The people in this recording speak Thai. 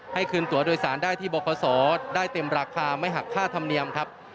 คืนตัวโดยสารได้ที่บคศได้เต็มราคาไม่หักค่าธรรมเนียมครับ